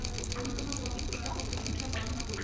আমি তোমার পবিত্রতা ও প্রশংসা বর্ণনা করি।